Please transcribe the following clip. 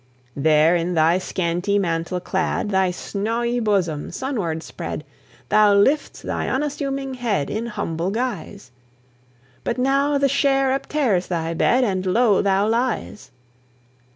There, in thy scanty mantle clad, Thy snawie bosom sunward spread, Thou lifts thy unassuming head In humble guise; But now the share uptears thy bed, And low thou lies!